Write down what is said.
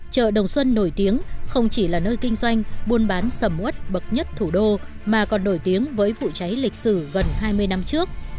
chợ đồng xuân nổi tiếng không chỉ là nơi kinh doanh buôn bán sầm út bậc nhất thủ đô mà còn nổi tiếng với vụ cháy lịch sử gần hai mươi năm trước